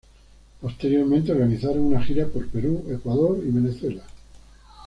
Posteriormente organizaron una gira por Perú, Ecuador y Venezuela.